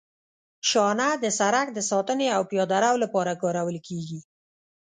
شانه د سرک د ساتنې او پیاده رو لپاره کارول کیږي